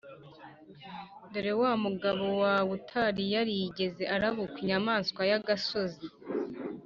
dore wa mugabo wawe utari yarigeze arabukwa inyamaswa y'agasozi